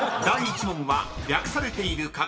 ［第１問は略されている